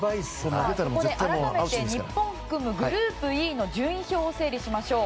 ここで改めて日本を含むグループＥの順位表を整理しましょう。